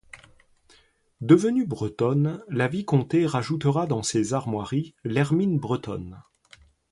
Devenue bretonne, la vicomté rajoutera dans ses armoiries l'hermine bretonne.